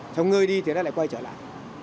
trong người đi thì nó lại quay trở lại